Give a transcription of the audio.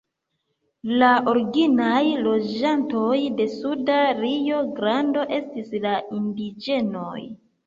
La originaj loĝantoj de Suda Rio-Grando estis la indiĝenoj.